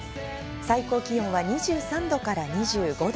最高気温は２３度２５度。